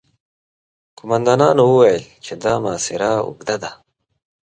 قوماندانانو وويل چې دا محاصره اوږده ده.